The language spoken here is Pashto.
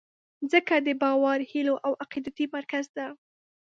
مځکه د باور، هیلو او عقیدې مرکز ده.